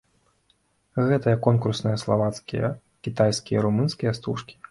Гэтая конкурсныя славацкія, кітайскія, румынскія стужкі.